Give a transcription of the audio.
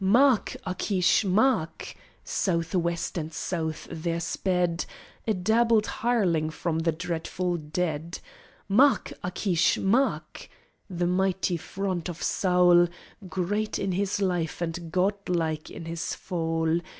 "Mark, Achish, mark!" South west and south there sped A dabbled hireling from the dreadful dead. "Mark, Achish, mark!" The mighty front of Saul, Great in his life and god like in his fall!